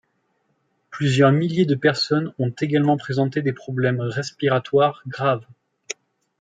Plusieurs milliers de personnes ont également présenté des problèmes respiratoires graves.